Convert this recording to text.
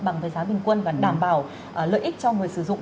bằng với giá bình quân và đảm bảo lợi ích cho người sử dụng